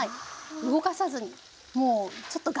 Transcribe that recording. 動かさずにもうちょっと我慢。